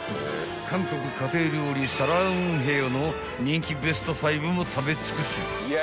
韓国家庭料理サランヘヨの人気ベスト５も食べ尽くす］